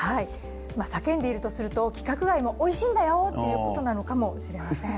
叫んでいるとすると規格外もおいしいんだよ！ということなのかもしれません。